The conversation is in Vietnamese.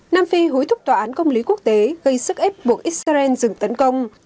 nam phi hối thúc tòa án công lý quốc tế gây sức ép buộc israel dừng tấn công